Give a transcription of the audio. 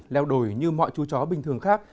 leo đồi như mọi chú chó bình thường khác